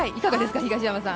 東山さん。